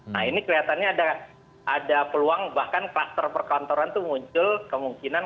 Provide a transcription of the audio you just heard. nah ini kelihatannya ada peluang bahkan kluster perkantoran itu muncul kemungkinan